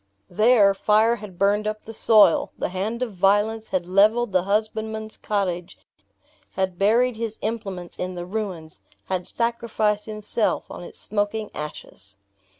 There, fire had burned up the soil; the hand of violence had leveled the husbandman's cottage; had buried his implements in the ruins; had sacrificed himself on its smoking ashes!